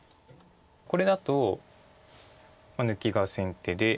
これだと抜きが先手で。